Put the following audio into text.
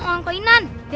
bisa nyentuh semua together